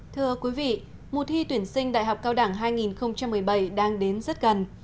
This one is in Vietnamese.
thưa quý vị mùa thi tuyển sinh đại học cao đẳng hai nghìn một mươi bảy đang đến rất gần